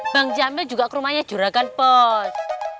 bang jamil juga ke rumahnya juragan pos